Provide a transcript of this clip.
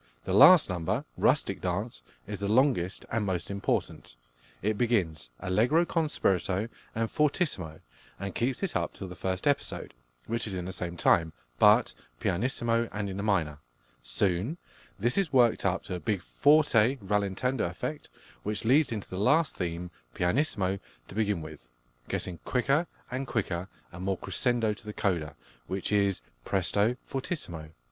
The last number, "Rustic Dance," is the longest and most important. It begins allegro con spirito and fortissimo, and keeps it up till the first episode, which is in the same time, but pianissimo and in the minor. Soon this is worked up to a big forte rallentando effect, which leads into the last theme, pianissimo to begin with, getting quicker and quicker and more crescendo to the coda, which is presto fortissimo.